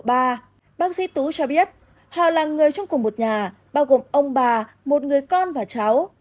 bác sĩ tú cho biết họ là người trong cùng một nhà bao gồm ông bà một người con và cháu